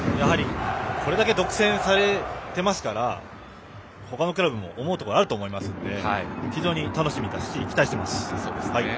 これだけ独占されていますから他のクラブも思うところはあると思いますので非常に楽しみですし期待しています。